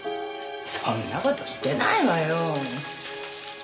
そんな事してないわよ。